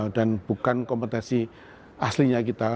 dan bukan kompetensi aslinya kita